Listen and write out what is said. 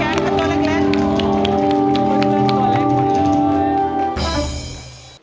ในตัวแรก